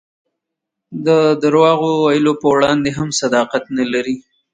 د درواغ ویلو په وړاندې هم صداقت نه لري.